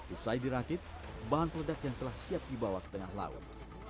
usai dirakit bahan peledak yang telah siap dibawa ke tengah laut